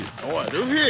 ルフィ。